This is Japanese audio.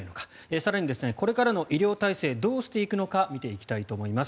更にこれからの医療体制どうしていくのか見ていきたいと思います。